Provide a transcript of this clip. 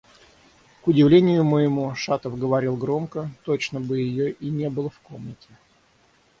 К удивлению моему, Шатов говорил громко, точно бы ее и не было в комнате.